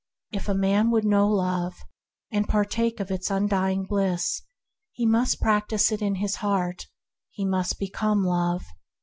If a man would know Love and partake of its un dying bliss, he must practise it in his heart; he must become Love.